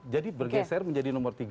jadi bergeser menjadi nomor tiga